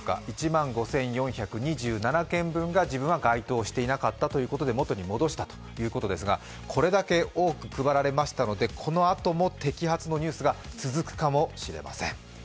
１万５４２７件分が自分は該当していなかったということで元に戻したということですが、これだけ多く配られましたのでこのあとも摘発のニュースが続くかもしれません。